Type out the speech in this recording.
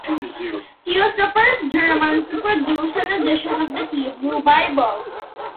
He was the first German to produce an edition of the Hebrew Bible.